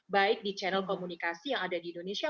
baik di channel komunikasi yang ada di indonesia